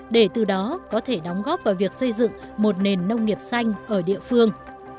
để từ đó có thể đóng góp vào việc xây dựng một nền nông nghiệp xanh ở địa phương